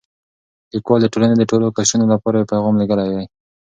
لیکوال د ټولنې د ټولو قشرونو لپاره یو پیغام لېږلی دی.